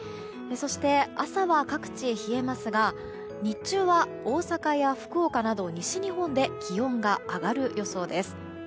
そして朝は各地冷えますが日中は大阪や福岡など西日本で気温が上がる予想です。